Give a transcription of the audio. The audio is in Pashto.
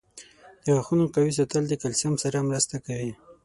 • د غاښونو قوي کول د کلسیم سره مرسته کوي.